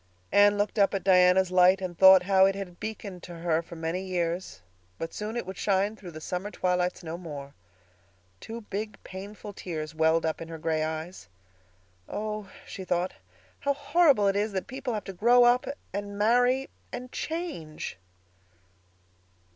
Anne looked up at Diana's light and thought how it had beaconed to her for many years; but soon it would shine through the summer twilights no more. Two big, painful tears welled up in her gray eyes. "Oh," she thought, "how horrible it is that people have to grow up—and marry—and _change!